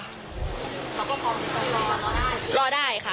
แล้วก็รอได้ค่ะ